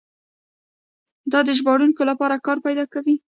دا د ژباړونکو لپاره کار پیدا کوي.